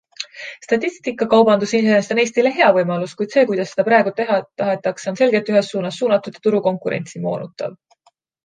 Statistikakaubandus iseenesest on Eestile hea võimalus, kuid see, kuidas seda praegu teha tahetakse, on selgelt ühes suunas suunatud ja turukonkurentsi moonutav.